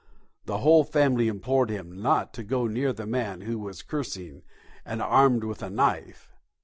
The whole family implored him not to go near the man who was cursing, and armed with a knife.